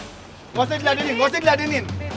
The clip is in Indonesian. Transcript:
gak usah diladenin gak usah diladenin